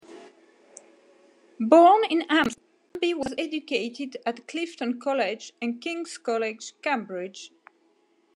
Born in Hampstead, Munby was educated at Clifton College and King's College, Cambridge.